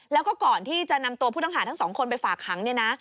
แล้วก็ก่อนที่จะนำตัวผู้ต้องหาทั้งสองคนไปฝากขังเนี่ยนะ